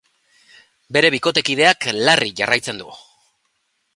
Bere bikotekideak larri jarraitzen du.